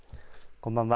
こんばんは。